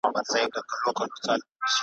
زما یاغي وزري ستا زندان کله منلای سي ,